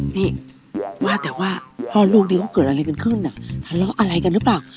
พี่ว่าแต่ว่าพ่อลูกนี้เขาเกิดอะไรกันขึ้นทะเลาะอะไรกันหรือเปล่า